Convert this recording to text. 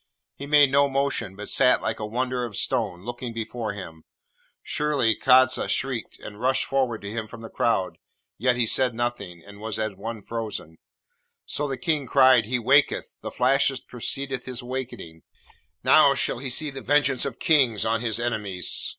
He made no motion, but sat like a wonder of stone, looking before him. Surely, Kadza shrieked, and rushed forward to him from the crowd, yet he said nothing, and was as one frozen. So the King cried, 'He waketh! the flashes preceded his wakening! Now shall he see the vengeance of kings on his enemies.'